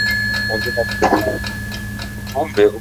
kwenye pwani isiyosaidia kutunza karatasi na kurasa